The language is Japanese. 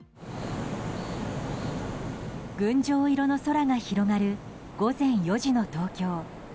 群青色の空が広がる午前４時の東京。